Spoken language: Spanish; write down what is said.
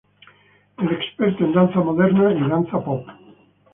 Es experto en danza moderna y danza pop.